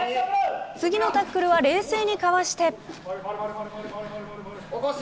次のタックルは冷静にかわして。